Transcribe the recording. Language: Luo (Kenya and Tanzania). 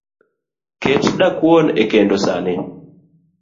ket dakuon e kendo sani.